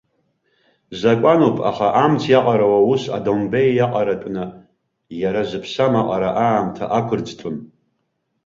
Закәануп, аха амҵ иаҟароу аус адомбеи иаҟаратәны, иара зыԥсам аҟара аамҭа ақәырӡтәым.